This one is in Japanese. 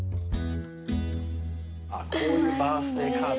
こういうバースデーカードね。